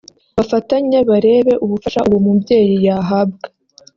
bafatanye barebe ubufasha uwo mubyeyi yahabwa